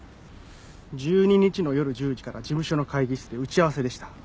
１２日の夜１０時から事務所の会議室で打ち合わせでした。